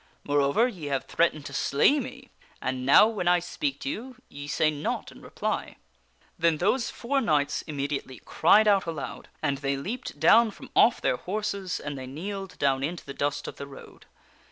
Moreover, ye have threatened to slay me ; and now, when I speak to you, ye say naught in reply." Then those four knights immediately cried out aloud; and they leaped down from off their horses, and they kneeled down into the dust of the road.